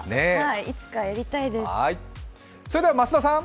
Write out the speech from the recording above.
いつかやりたいです。